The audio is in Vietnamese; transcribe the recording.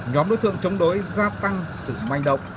nhóm đối tượng chống đối gia tăng sự manh động